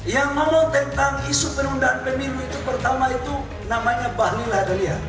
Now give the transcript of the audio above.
yang ngomong tentang isu perundangan pemilu itu pertama itu namanya bahlil adalia